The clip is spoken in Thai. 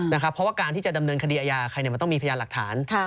เพราะว่าการที่จะดำเนินคดีอาญาใครมันต้องมีพยานหลักฐาน